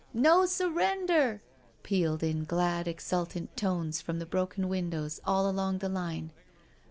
No surrender," pealed in glad, exultant tones from the broken windows all along the line.